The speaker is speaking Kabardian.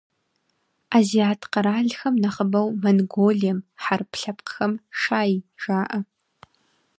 Азиат къэралхэм, нэхъыбэу Монголием, хьэрып лъэпкъхэм - «шай» жаӏэ.